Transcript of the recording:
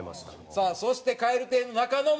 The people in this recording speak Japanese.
さあそして蛙亭の中野も。